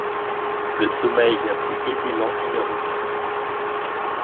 Le sommeil vient plus aisément qu’il ne revient.